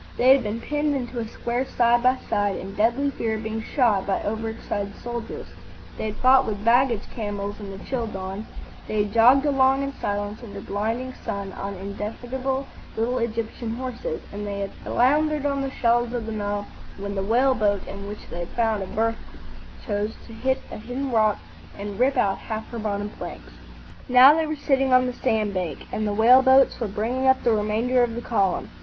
They had been penned into a square side by side, in deadly fear of being shot by over excited soldiers; they had fought with baggage camels in the chill dawn; they had jogged along in silence under blinding sun on indefatigable little Egyptian horses; and they had floundered on the shallows of the Nile when the whale boat in which they had found a berth chose to hit a hidden rock and rip out half her bottom planks. Now they were sitting on the sand bank, and the whale boats were bringing up the remainder of the column.